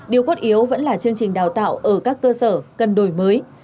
điều cốt yếu vẫn là chương trình đào tạo ở các cơ sở cần đổi mới